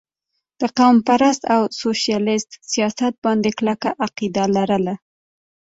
د قوم پرست او سوشلسټ سياست باندې کلکه عقيده لرله